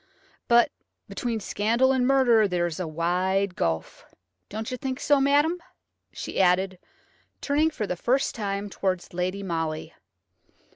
But between scandal and murder there is a wide gulf. Don't you think so, madam," she added, turning for the first time towards Lady Molly.